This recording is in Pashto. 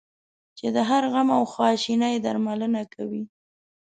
چې د هر غم او خواشینی درملنه کوي.